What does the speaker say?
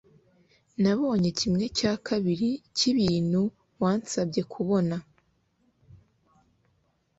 Nabonye kimwe cya kabiri cyibintu wansabye kubona